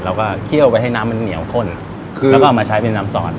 เคี่ยวไปให้น้ำมันเหนียวข้นแล้วก็เอามาใช้เป็นน้ำซอส